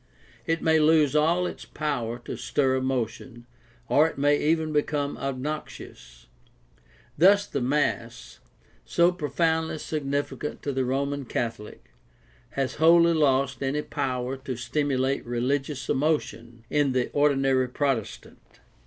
It may lose all its power to stir emotion, or it may even become obnoxious. Thus the mass, so profoundly significant to the Roman Catholic, has wholly lost any power to stimulate religious emotion in the ordinary Protestant.